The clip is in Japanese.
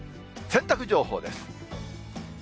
洗濯情報です。